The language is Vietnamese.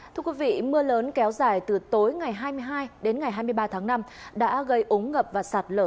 thưa quý vị mưa lớn kéo dài từ tối ngày hai mươi hai đến ngày hai mươi ba tháng năm đã gây ống ngập và sạt lở